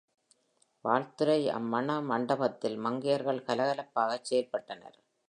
வாழ்த்துரை அம் மண மண்டபத்தில் மங்கையர்கள் கலகலப்பாகச் செயல்பட்டனர்.